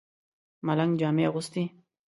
ملنګ جامې اغوستې.